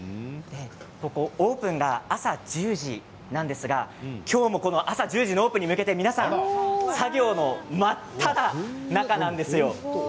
ここオープンが朝１０時なんですが今日も朝１０時のオープンに向けて皆さん作業の真っただ中です。